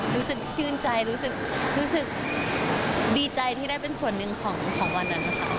รู้สึกชื่นใจรู้สึกดีใจที่ได้เป็นส่วนหนึ่งของวันนั้นค่ะ